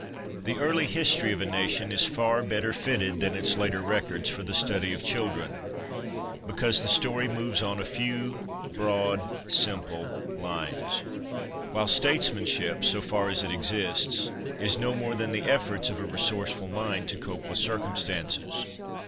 The early history of a nation is far better 282 HOME EDUCATION fitted than its later records for the study of children, because the story moves on a few broad, simple lines ; while statesmanship, so far as it exists, is no more than the efforts of a resourceful mind to cope with circumstances.